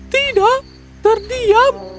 tidak mereka tetap diam